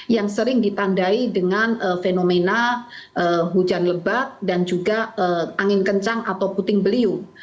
yang sering ditandai dengan fenomena hujan lebat dan juga angin kencang atau puting beliung